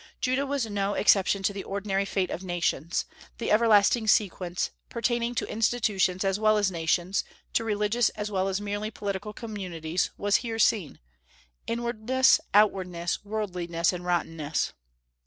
Judah was no exception to the ordinary fate of nations; the everlasting sequence pertaining to institutions as well as nations, to religious as well as merely political communities was here seen, "Inwardness, outwardness, worldliness, and rottenness."